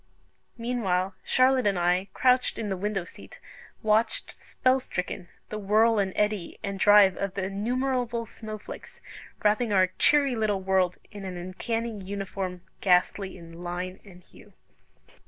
Meanwhile, Charlotte and I, crouched in the window seat, watched, spell stricken, the whirl and eddy and drive of the innumerable snow flakes, wrapping our cheery little world in an uncanny uniform, ghastly in line and hue.